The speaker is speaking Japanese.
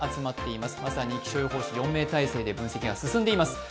まさに気象予報士４名態勢で分析が進んでいます。